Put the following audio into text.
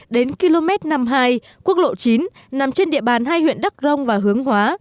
đến km năm mươi hai quốc lộ chín nằm trên địa bàn hai huyện đắc rông và hướng hóa